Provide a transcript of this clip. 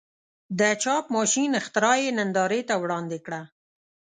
د چاپ ماشین اختراع یې نندارې ته وړاندې کړه.